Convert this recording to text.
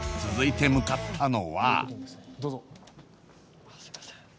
続いて向かったのはどうぞすいません